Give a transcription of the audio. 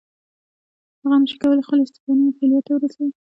هغه نشي کولای خپل استعدادونه فعلیت ته ورسوي.